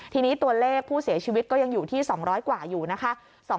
ทีนี้ตัวเลขผู้เสียชีวิตก็ยังอยู่ที่๒๐๐กว่าอยู่นะคะ